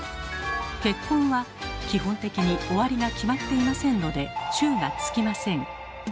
「結婚」は基本的に終わりが決まっていませんので「中」がつきません。